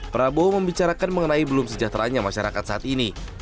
prabowo membicarakan mengenai belum sejahteranya masyarakat saat ini